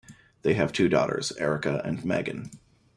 They have two daughters, Erica and Megan.